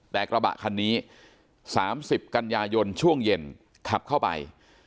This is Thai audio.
แต่กระบะคันนี้๓๐กันยายนช่วงเย็นขับเข้าไป